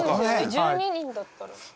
１２人だったら。